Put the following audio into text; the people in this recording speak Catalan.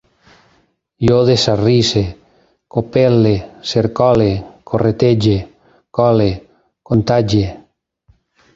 Jo desarrisse, copel·le, cercole, corretege, cole, contagie